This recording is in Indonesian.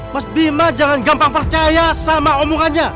mas bima jangan gampang percaya sama omongannya